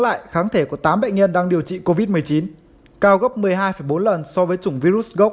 lại kháng thể của tám bệnh nhân đang điều trị covid một mươi chín cao gấp một mươi hai bốn lần so với chủng virus gốc